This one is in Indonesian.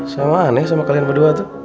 saya aneh sama kalian berdua tuh